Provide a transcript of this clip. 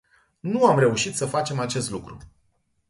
Nu am reușit să facem acest lucru.